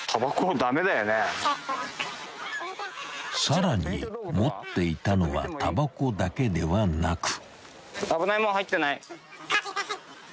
［さらに持っていたのはタバコだけではなく］